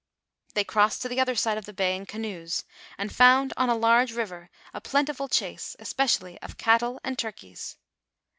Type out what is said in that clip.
They crossed to the other side of the bay in canoes, and found on a large river a plentiful chase, e5>peci:'.ily of cattle and turkeys.